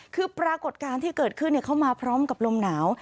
คือปรากฏการณ์ที่เกิดขึ้นเข้ามาพร้อมกับลมหนาว